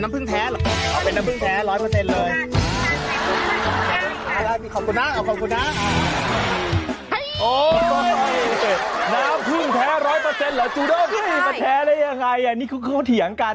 น้ำตาลแทงนะลดไม่ได้เลย